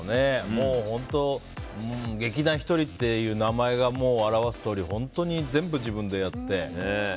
もう本当、劇団ひとりという名前が表すとおり本当に全部、自分でやって。